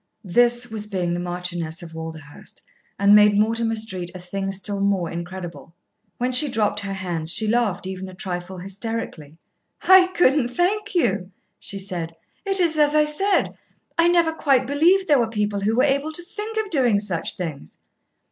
This was being the Marchioness of Walderhurst, and made Mortimer Street a thing still more incredible. When she dropped her hands, she laughed even a trifle hysterically. "I couldn't thank you," she said. "It is as I said. I never quite believed there were people who were able to think of doing such things."